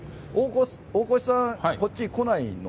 大越さんは、こっち来ないの？